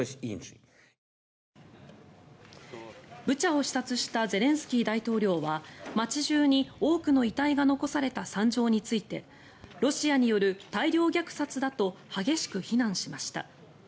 ブチャを視察したゼレンスキー大統領は街中に多くの遺体が残された惨状についてロシアによる大量虐殺だと激しく非難しました。